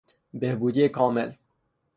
بهبودی کامل